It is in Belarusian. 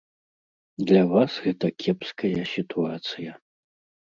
Для вас гэта кепская сітуацыя.